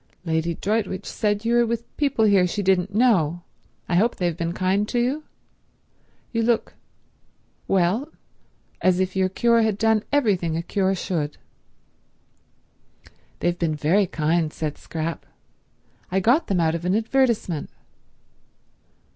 Lady Droitwich said you were with people here she didn't know. I hope they've been kind to you? You look—well, as if your cure had done everything a cure should." "They've been very kind," said Scrap. "I got them out of an advertisement."